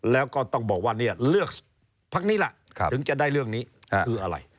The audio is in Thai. แล้วก็ต้องบอกว่าเนี่ยเลือกพักนี้ล่ะถึงจะได้เรื่องนี้คืออะไร